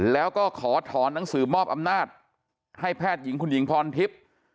แล้วก็ขอถอนหนังสือมอบอำนาจให้แพทย์หญิงคุณหญิงพรทิพย์